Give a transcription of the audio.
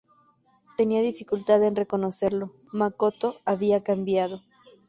Tenía dificultad en reconocerlo: Makoto había cambiado!